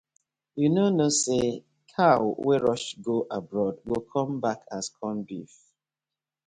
Yu no kno say cow wey rush go abroad go come back as corn beef.